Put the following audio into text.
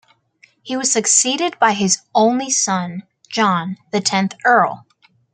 He was succeeded by his only son, John, the tenth Earl.